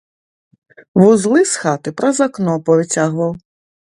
Вузлы з хаты праз акно павыцягваў.